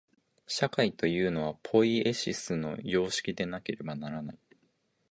社会というのは、ポイエシスの様式でなければならない。